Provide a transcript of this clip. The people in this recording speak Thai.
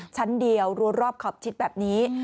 ชั้นเดียวรัวรอบขอบชิดแบบนี้